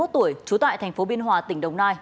năm mươi một tuổi trú tại thành phố biên hòa tỉnh đồng nai